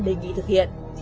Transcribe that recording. đề nghị thực hiện